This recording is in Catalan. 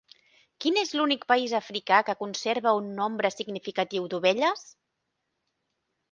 Quin és l'únic país africà que conserva un nombre significatiu d'ovelles?